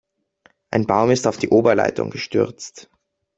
Ein Baum ist auf die Oberleitung gestürzt.